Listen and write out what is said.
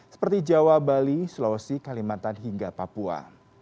seperti jawa bali sulawesi kalimantan hingga papua